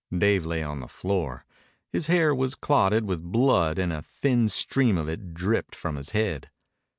Dave lay on the floor. His hair was clotted with blood and a thin stream of it dripped from his head.